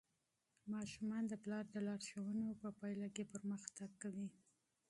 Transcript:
ماشومان د پلار د لارښوونو په نتیجه کې پرمختګ کوي.